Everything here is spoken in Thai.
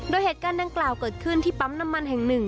โดยเหตุการณ์ดังกล่าวเกิดขึ้นที่ปั๊มน้ำมันแห่งหนึ่ง